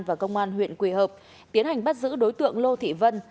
và công an huyện quỳ hợp tiến hành bắt giữ đối tượng lô thị vân